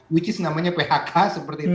yang namanya phk seperti itu